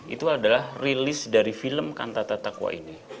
itu adalah rilis dari film kantata takwa ini